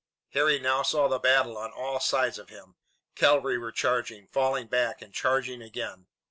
Harry now saw the battle on all sides of him. Cavalry were charging, falling back, and charging again.